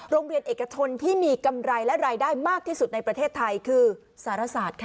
โรงเรียนเอกชนที่มีกำไรและรายได้มากที่สุดในประเทศไทยคือสารศาสตร์ค่ะ